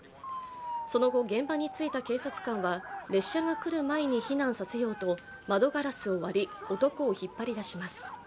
その後現場に着いた警察官は列車が来る前に避難させようと窓ガラスを割り、男を引っ張り出します。